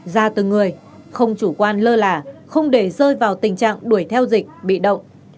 gõ từng người không chủ quan lơ lả không để rơi vào tình trạng đuổi theo dịch bị động